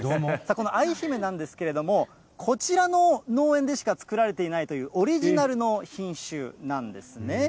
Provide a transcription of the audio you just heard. この愛姫なんですけれども、こちらの農園でしか作られていないというオリジナルの品種なんですね。